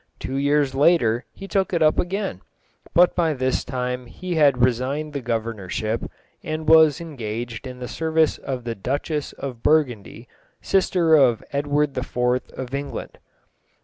Two years later he took it up again, but by this time he had resigned the governorship, and was engaged in the service of the Duchess of Burgundy, sister of Edward IV. of England.